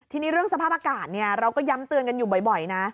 ทีนี้เรื่องสภาพอากาศเราก็ย้ำเตือนกันอยู่บ่อยนะ